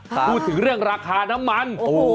พูดถึงเรื่องราคาน้ำมัน